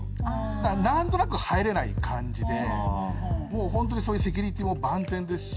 だから何となく入れない感じでもうホントにそういうセキュリティーも万全ですし。